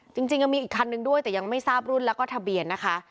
จริงยังมีอีกคันนึงด้วยแต่ยังไม่ทราบรุ่นแล้วก็ทะเบียนนะคะ